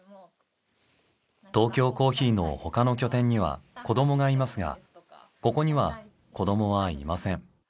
トーキョーコーヒーの他の拠点には子どもがいますがここには子どもはいません。